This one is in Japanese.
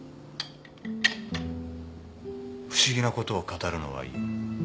不思議なことを語るのはいい。